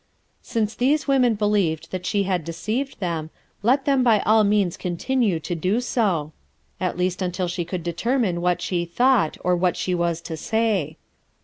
Since these women believed that she had deceived them, let them by all means continue to do so, at least until she could determine what she thought, or what she was to say.